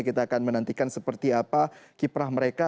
kita akan menantikan seperti apa kiprah mereka